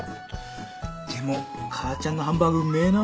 でも母ちゃんのハンバーグうめえな。